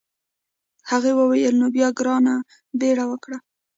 هغې وویل نو بیا ګرانه بیړه وکړه.